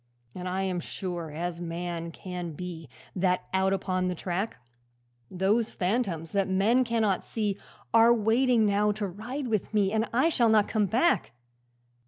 'And I am sure as man can be That out upon the track, Those phantoms that men cannot see Are waiting now to ride with me, And I shall not come back.